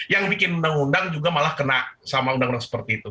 yang bikin undang undang juga malah kena sama undang undang seperti itu